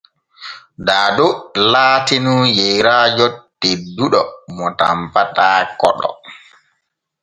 Daado laatinun yeyraajo tedduɗo mo tanpata koɗo.